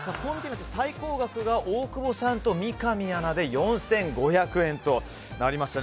最高額が大久保さんと三上アナで４５００円となりました。